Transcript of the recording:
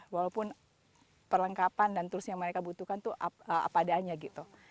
walaupun perlengkapan dan tools yang mereka butuhkan tuh apa adanya gitu